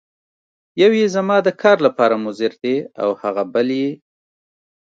یو یې زما د کار لپاره مضر دی او هغه بل یې.